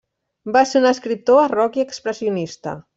Va ser un escriptor barroc i expressionista.